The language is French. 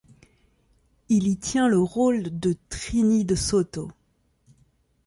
Il y tient le rôle de Trini DeSoto.